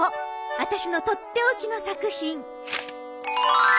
あたしの取って置きの作品。